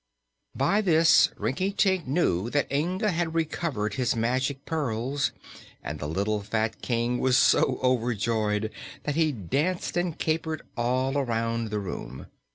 By this Rinkitink knew that Inga had recovered his Magic Pearls and the little fat King was so overjoyed that he danced and capered all around the room.